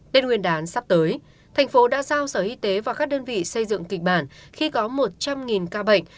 tết nguyên đán sắp tới thành phố đã giao sở y tế và các đơn vị xây dựng kịch bản khi có một trăm linh ca bệnh